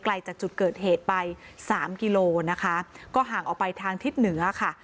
จากจุดเกิดเหตุไปสามกิโลนะคะก็ห่างออกไปทางทิศเหนือค่ะ